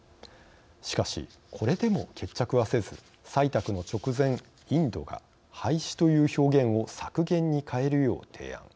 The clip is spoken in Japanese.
しかし、これでも決着はせず採択の直前インドが廃止という表現を削減に変えるよう提案。